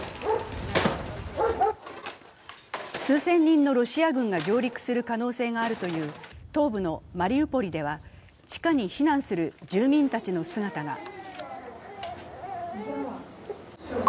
数千人のロシア軍が上陸する可能性があるという東部のマリウポリでは地下に避難する住民たちの姿が。